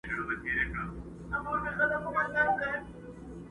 خو اصلي درد يې هېڅکله په بشپړ ډول نه هېرېږي.